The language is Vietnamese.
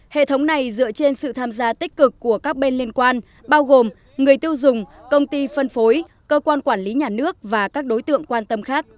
hệ thống này dựa trên sự tham gia tích cực của các bên liên quan bao gồm người tiêu dùng công ty phân phối cơ quan quản lý nhà nước và các đối tượng quan tâm khác